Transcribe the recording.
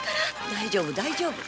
大丈夫大丈夫。